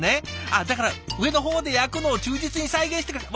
ああだから上の方で焼くのを忠実に再現してくれた。